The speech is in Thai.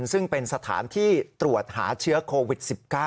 ซึ่งเป็นสถานที่ตรวจหาเชื้อโควิด๑๙